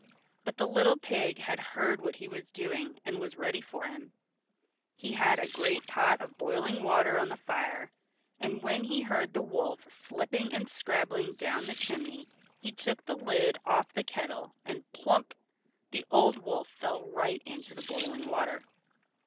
But the little pig had heard what he was doing, and was ready for him. He had a great pot of boiling water on the fire, and when he heard the wolf slipping and scrabbling down the chimney he took the lid off the kettle, and plump! the old wolf fell right into the boiling water.